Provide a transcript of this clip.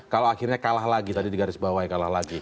kalau akhirnya kalah lagi tadi di garis bawahnya kalah lagi